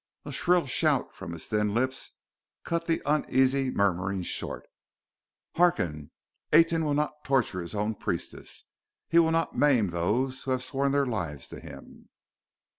A shrill shout from his thin lips cut the uneasy murmuring short. "Hearken! Aten will not torture His own priestess! He will not maim those who have sworn their lives to Him!"